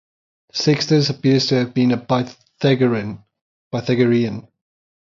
Sextus appears to have been a Pythagorean.